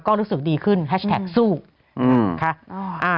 ก็รู้สึกดีขึ้นแฮชแท็กสู้นะคะ